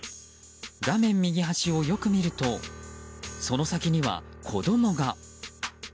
画面右端をよく見るとその先には、子供が。